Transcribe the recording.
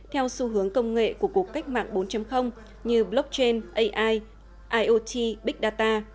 theo xu hướng công nghệ của cuộc cách mạng bốn như blockchain ai iot big data